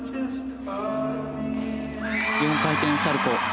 ４回転サルコウ。